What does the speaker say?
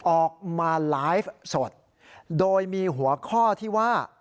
ออกมาไลฟ์สดโดยมีหัวข้อที่ว่า